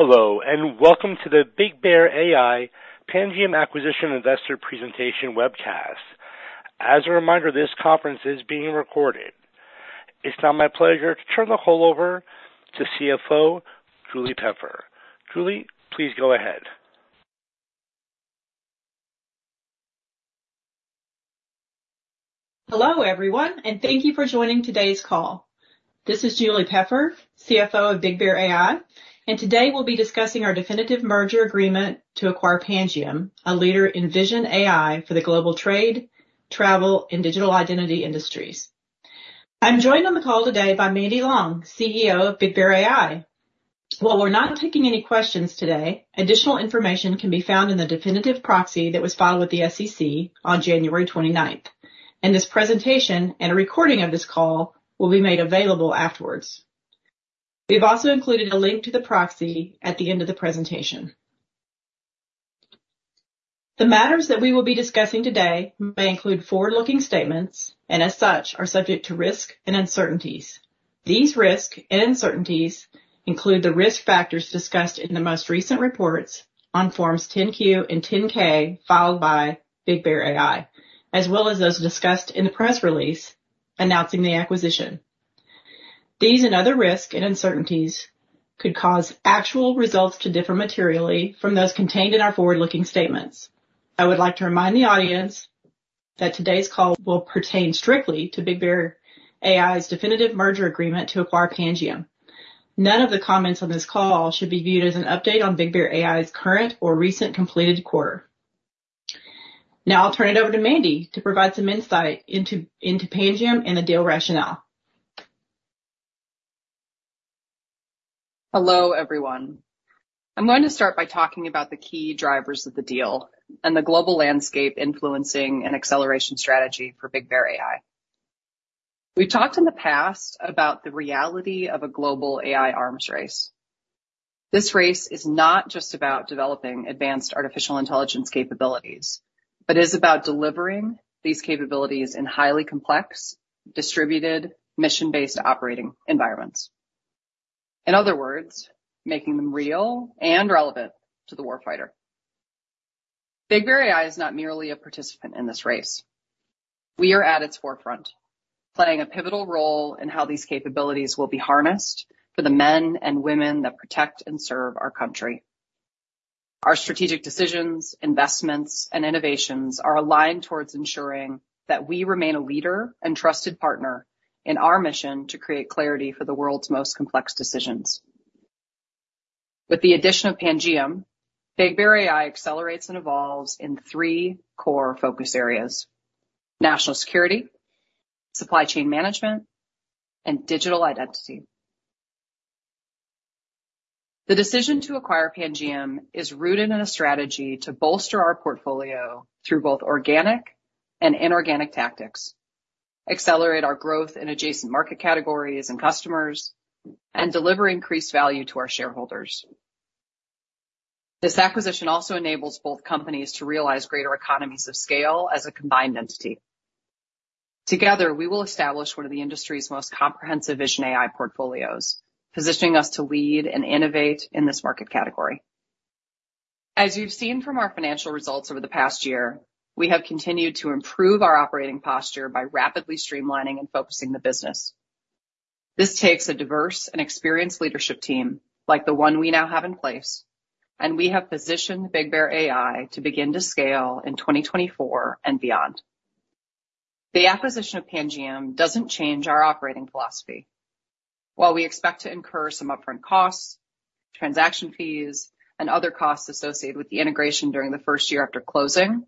Hello, and welcome to the BigBear.ai Pangiam Acquisition Investor Presentation webcast. As a reminder, this conference is being recorded. It's now my pleasure to turn the call over to CFO Julie Peffer. Julie, please go ahead. Hello, everyone, and thank you for joining today's call. This is Julie Peffer, CFO of BigBear.ai, and today we'll be discussing our definitive merger agreement to acquire Pangiam, a leader in vision AI for the global trade, travel, and digital identity industries. I'm joined on the call today by Mandy Long, CEO of BigBear.ai. While we're not taking any questions today, additional information can be found in the definitive proxy that was filed with the SEC on January 29th, and this presentation and a recording of this call will be made available afterwards. We've also included a link to the proxy at the end of the presentation. The matters that we will be discussing today may include forward-looking statements and, as such, are subject to risk and uncertainties. These risks and uncertainties include the risk factors discussed in the most recent reports on Forms 10-Q and 10-K filed by BigBear.ai, as well as those discussed in the press release announcing the acquisition. These and other risks and uncertainties could cause actual results to differ materially from those contained in our forward-looking statements. I would like to remind the audience that today's call will pertain strictly to BigBear.ai's definitive merger agreement to acquire Pangiam. None of the comments on this call should be viewed as an update on BigBear.ai's current or recent completed quarter. Now, I'll turn it over to Mandy to provide some insight into Pangiam and the deal rationale. Hello, everyone. I'm going to start by talking about the key drivers of the deal and the global landscape influencing an acceleration strategy for BigBear.ai. We've talked in the past about the reality of a global AI arms race. This race is not just about developing advanced artificial intelligence capabilities, but it is about delivering these capabilities in highly complex, distributed, mission-based operating environments. In other words, making them real and relevant to the warfighter. BigBear.ai is not merely a participant in this race. We are at its forefront, playing a pivotal role in how these capabilities will be harnessed for the men and women that protect and serve our country. Our strategic decisions, investments, and innovations are aligned towards ensuring that we remain a leader and trusted partner in our mission to create clarity for the world's most complex decisions. With the addition of Pangiam, BigBear.ai accelerates and evolves in three core focus areas: national security, supply chain management, and digital identity. The decision to acquire Pangiam is rooted in a strategy to bolster our portfolio through both organic and inorganic tactics, accelerate our growth in adjacent market categories and customers, and deliver increased value to our shareholders. This acquisition also enables both companies to realize greater economies of scale as a combined entity. Together, we will establish one of the industry's most comprehensive Vision AI portfolios, positioning us to lead and innovate in this market category. As you've seen from our financial results over the past year, we have continued to improve our operating posture by rapidly streamlining and focusing the business. This takes a diverse and experienced leadership team like the one we now have in place, and we have positioned BigBear.ai to begin to scale in 2024 and beyond. The acquisition of Pangiam doesn't change our operating philosophy. While we expect to incur some upfront costs, transaction fees, and other costs associated with the integration during the first year after closing,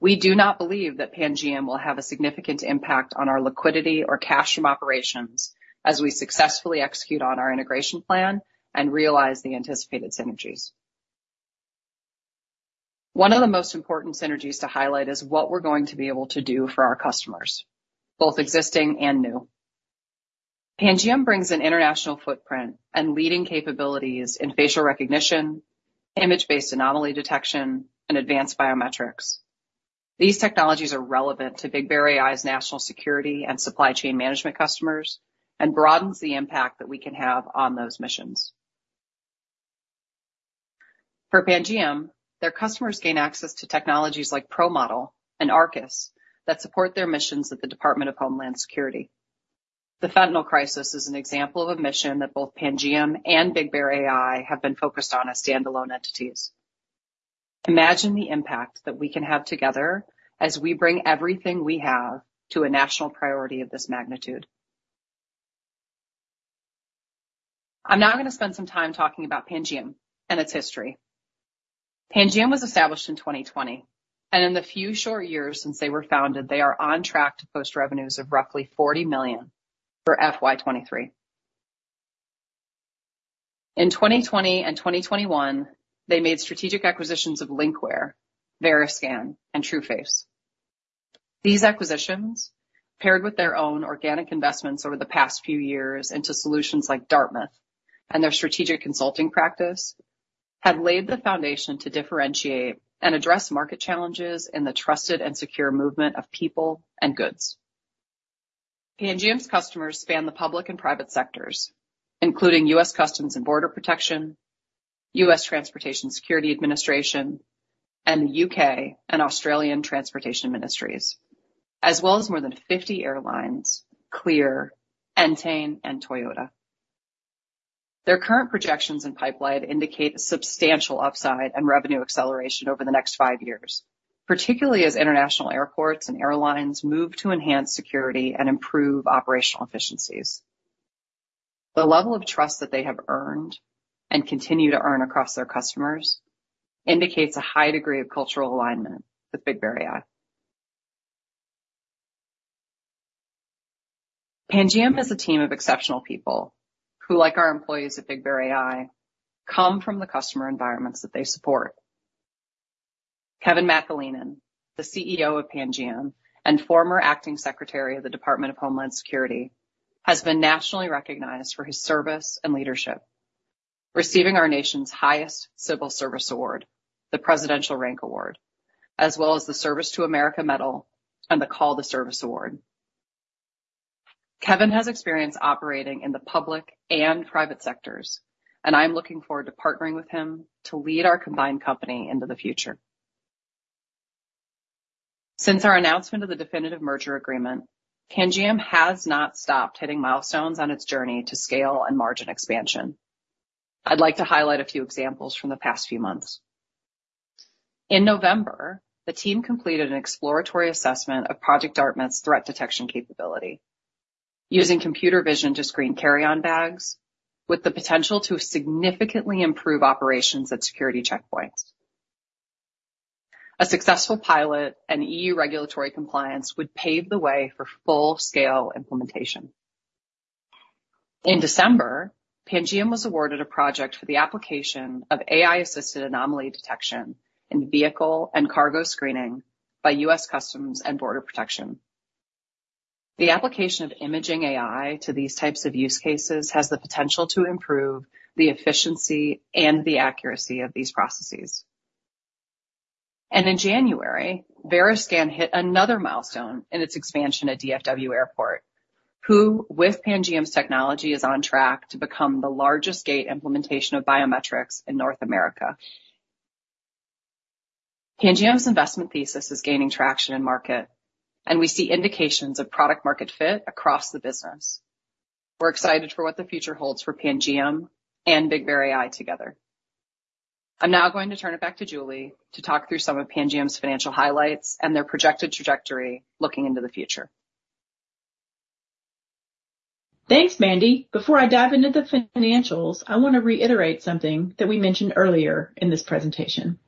we do not believe that Pangiam will have a significant impact on our liquidity or cash from operations as we successfully execute on our integration plan and realize the anticipated synergies. One of the most important synergies to highlight is what we're going to be able to do for our customers, both existing and new. Pangiam brings an international footprint and leading capabilities in facial recognition, image-based anomaly detection, and advanced biometrics. These technologies are relevant to BigBear.ai's national security and supply chain management customers and broadens the impact that we can have on those missions. For Pangiam, their customers gain access to technologies like ProModel and ArcGIS that support their missions at the Department of Homeland Security. The fentanyl crisis is an example of a mission that both Pangiam and BigBear.ai have been focused on as standalone entities. Imagine the impact that we can have together as we bring everything we have to a national priority of this magnitude. I'm now going to spend some time talking about Pangiam and its history. Pangiam was established in 2020, and in the few short years since they were founded, they are on track to post revenues of roughly $40 million for FY2023. In 2020 and 2021, they made strategic acquisitions of Linkware, VeriScan, and Trueface. These acquisitions, paired with their own organic investments over the past few years into solutions like Dartmouth and their strategic consulting practice, have laid the foundation to differentiate and address market challenges in the trusted and secure movement of people and goods. Pangiam's customers span the public and private sectors, including U.S. Customs and Border Protection, U.S. Transportation Security Administration, and the U.K. and Australian Transportation Ministries, as well as more than 50 airlines: Clear, Entain, and Toyota. Their current projections and pipeline indicate a substantial upside and revenue acceleration over the next five years, particularly as international airports and airlines move to enhance security and improve operational efficiencies. The level of trust that they have earned and continue to earn across their customers indicates a high degree of cultural alignment with BigBear.ai. Pangiam is a team of exceptional people who, like our employees at BigBear.ai, come from the customer environments that they support. Kevin McAleenan, the CEO of Pangiam and former Acting Secretary of the Department of Homeland Security, has been nationally recognized for his service and leadership, receiving our nation's highest civil service award, the Presidential Rank Award, as well as the Service to America Medal and the Call to Service Award. Kevin has experience operating in the public and private sectors, and I'm looking forward to partnering with him to lead our combined company into the future. Since our announcement of the definitive merger agreement, Pangiam has not stopped hitting milestones on its journey to scale and margin expansion. I'd like to highlight a few examples from the past few months. In November, the team completed an exploratory assessment of Project Dartmouth's threat detection capability, using computer vision to screen carry-on bags with the potential to significantly improve operations at security checkpoints. A successful pilot and EU regulatory compliance would pave the way for full-scale implementation. In December, Pangiam was awarded a project for the application of AI-assisted anomaly detection in vehicle and cargo screening by U.S. Customs and Border Protection. The application of imaging AI to these types of use cases has the potential to improve the efficiency and the accuracy of these processes. And in January, VeriScan hit another milestone in its expansion at DFW Airport, who, with Pangiam's technology, is on track to become the largest gate implementation of biometrics in North America. Pangiam's investment thesis is gaining traction in market, and we see indications of product-market fit across the business. We're excited for what the future holds for Pangiam and BigBear.ai together. I'm now going to turn it back to Julie to talk through some of Pangiam's financial highlights and their projected trajectory looking into the future. Thanks, Mandy. Before I dive into the financials, I want to reiterate something that we mentioned earlier in this presentation.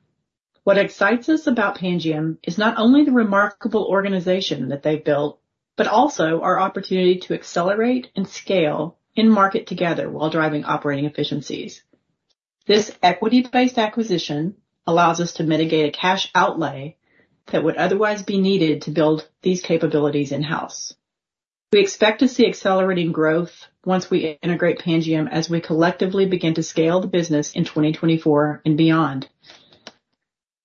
What excites us about Pangiam is not only the remarkable organization that they've built, but also our opportunity to accelerate and scale in market together while driving operating efficiencies. This equity-based acquisition allows us to mitigate a cash outlay that would otherwise be needed to build these capabilities in-house. We expect to see accelerating growth once we integrate Pangiam as we collectively begin to scale the business in 2024 and beyond.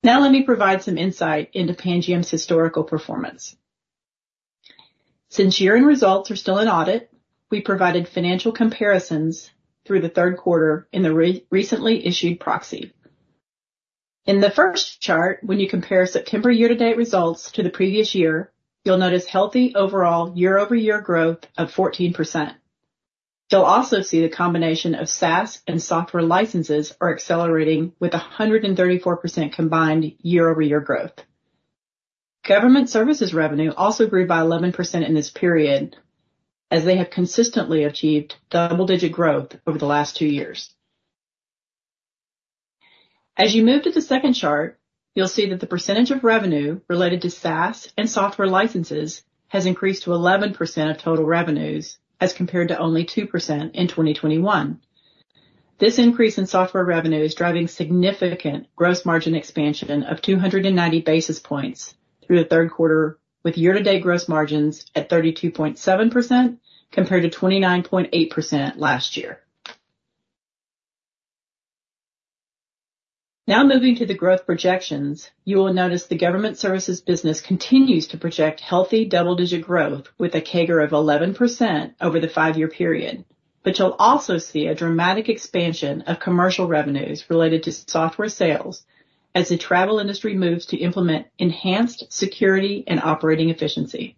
Now, let me provide some insight into Pangiam's historical performance. Since year-end results are still in audit, we provided financial comparisons through the third quarter in the recently issued proxy. In the first chart, when you compare September year-to-date results to the previous year, you'll notice healthy overall year-over-year growth of 14%. You'll also see the combination of SaaS and software licenses are accelerating with 134% combined year-over-year growth. Government services revenue also grew by 11% in this period as they have consistently achieved double-digit growth over the last two years. As you move to the second chart, you'll see that the percentage of revenue related to SaaS and software licenses has increased to 11% of total revenues as compared to only 2% in 2021. This increase in software revenue is driving significant gross margin expansion of 290 basis points through the third quarter, with year-to-date gross margins at 32.7% compared to 29.8% last year. Now, moving to the growth projections, you will notice the government services business continues to project healthy double-digit growth with a CAGR of 11% over the five-year period, but you'll also see a dramatic expansion of commercial revenues related to software sales as the travel industry moves to implement enhanced security and operating efficiency.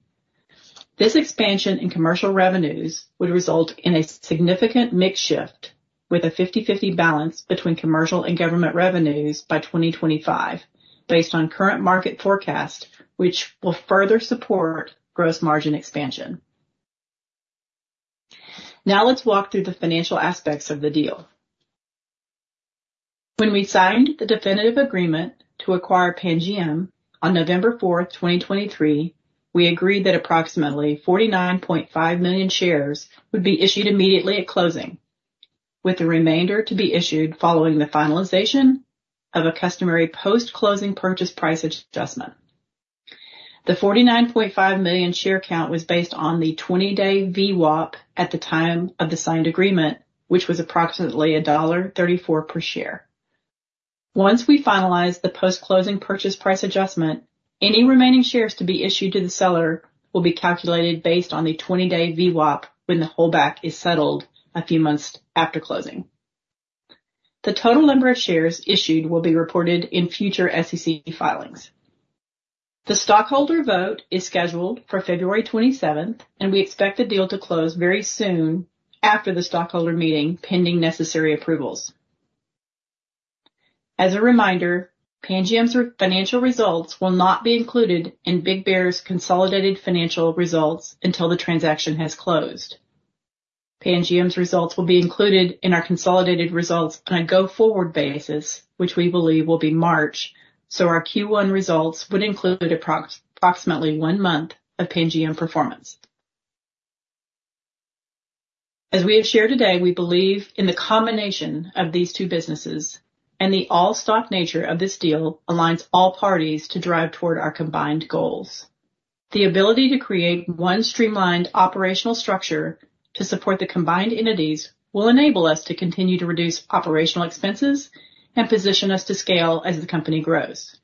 This expansion in commercial revenues would result in a significant mix shift with a 50/50 balance between commercial and government revenues by 2025, based on current market forecasts, which will further support gross margin expansion. Now, let's walk through the financial aspects of the deal. When we signed the definitive agreement to acquire Pangiam on November 4, 2023, we agreed that approximately 49.5 million shares would be issued immediately at closing, with the remainder to be issued following the finalization of a customary post-closing purchase price adjustment. The 49.5 million share count was based on the 20-day VWAP at the time of the signed agreement, which was approximately $1.34 per share. Once we finalize the post-closing purchase price adjustment, any remaining shares to be issued to the seller will be calculated based on the 20-day VWAP when the holdback is settled a few months after closing. The total number of shares issued will be reported in future SEC filings. The stockholder vote is scheduled for February 27th, and we expect the deal to close very soon after the stockholder meeting, pending necessary approvals. As a reminder, Pangiam's financial results will not be included in BigBear's consolidated financial results until the transaction has closed. Pangiam's results will be included in our consolidated results on a go-forward basis, which we believe will be March, so our Q1 results would include approximately one month of Pangiam performance. As we have shared today, we believe in the combination of these two businesses, and the all-stock nature of this deal aligns all parties to drive toward our combined goals. The ability to create one streamlined operational structure to support the combined entities will enable us to continue to reduce operational expenses and position us to scale as the company grows,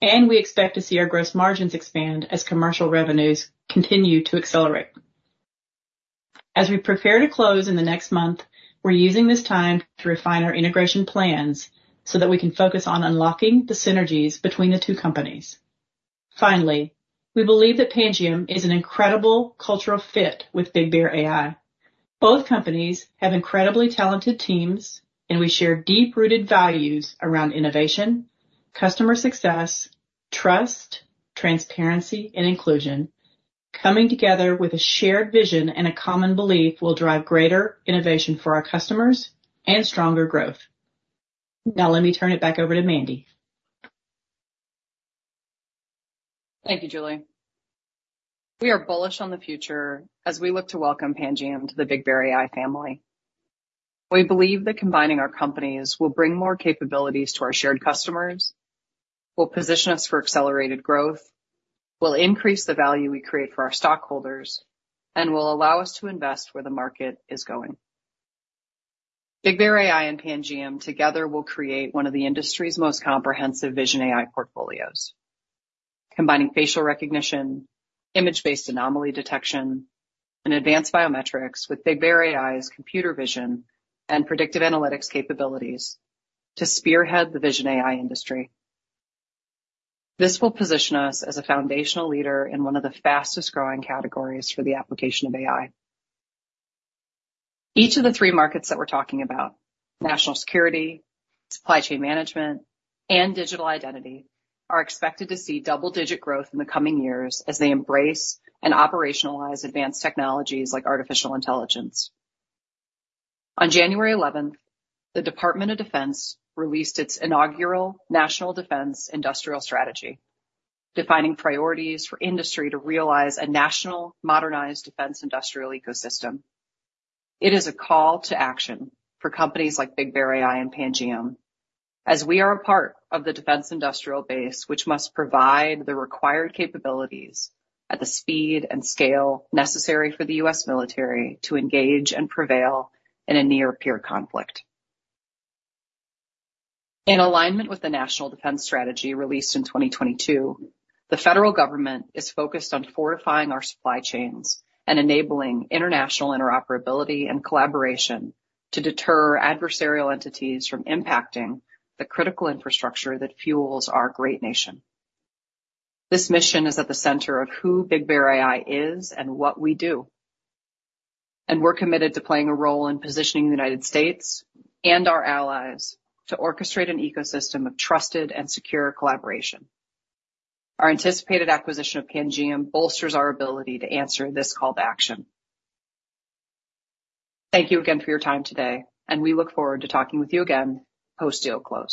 and we expect to see our gross margins expand as commercial revenues continue to accelerate. As we prepare to close in the next month, we're using this time to refine our integration plans so that we can focus on unlocking the synergies between the two companies. Finally, we believe that Pangiam is an incredible cultural fit with BigBear.ai. Both companies have incredibly talented teams, and we share deep-rooted values around innovation, customer success, trust, transparency, and inclusion. Coming together with a shared vision and a common belief will drive greater innovation for our customers and stronger growth. Now, let me turn it back over to Mandy. Thank you, Julie. We are bullish on the future as we look to welcome Pangiam to the BigBear.ai family. We believe that combining our companies will bring more capabilities to our shared customers, will position us for accelerated growth, will increase the value we create for our stockholders, and will allow us to invest where the market is going. BigBear.ai and Pangiam together will create one of the industry's most comprehensive vision AI portfolios, combining facial recognition, image-based anomaly detection, and advanced biometrics with BigBear.ai's computer vision and predictive analytics capabilities to spearhead the vision AI industry. This will position us as a foundational leader in one of the fastest-growing categories for the application of AI. Each of the three markets that we're talking about, national security, supply chain management, and digital identity, are expected to see double-digit growth in the coming years as they embrace and operationalize advanced technologies like artificial intelligence. On January 11, the Department of Defense released its inaugural National Defense Industrial Strategy, defining priorities for industry to realize a national modernized defense industrial ecosystem. It is a call to action for companies like BigBear.ai and Pangiam, as we are a part of the defense industrial base, which must provide the required capabilities at the speed and scale necessary for the U.S. military to engage and prevail in a near-peer conflict. In alignment with the National Defense Strategy released in 2022, the federal government is focused on fortifying our supply chains and enabling international interoperability and collaboration to deter adversarial entities from impacting the critical infrastructure that fuels our great nation. This mission is at the center of who BigBear.ai is and what we do, and we're committed to playing a role in positioning the United States and our allies to orchestrate an ecosystem of trusted and secure collaboration. Our anticipated acquisition of Pangiam bolsters our ability to answer this call to action. Thank you again for your time today, and we look forward to talking with you again post-deal close.